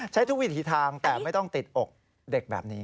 ทุกวิถีทางแต่ไม่ต้องติดอกเด็กแบบนี้